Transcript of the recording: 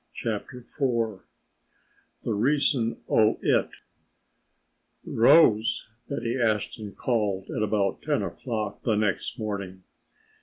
CHAPTER IV "The Reason o' It" "Rose," Betty Ashton called at about ten o'clock the next morning.